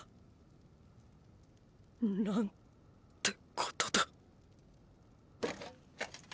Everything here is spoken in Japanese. なんってことだ。